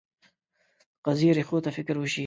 د قضیې ریښو ته فکر وشي.